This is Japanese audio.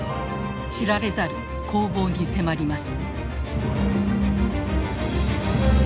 知られざる攻防に迫ります。